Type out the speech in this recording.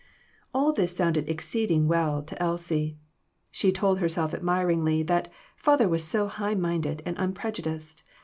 All this sounded exceedingly well to Elsie. She told herself admiringly that "father was so high minded and unprejudiced."